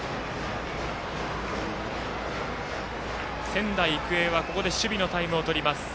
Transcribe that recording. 仙台育英は守備のタイムをとります。